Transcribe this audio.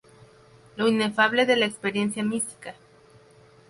Lo inefable de la experiencia mística.